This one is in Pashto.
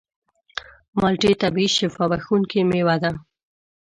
مالټې طبیعي شفا بښونکې مېوه ده.